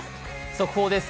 速報です。